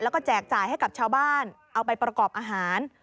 แล้วก็แจกจ่ายให้กับชาวบ้านเอาไปประกอบอาหาร